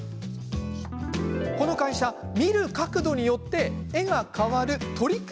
この会社見る角度によって絵が変わるトリック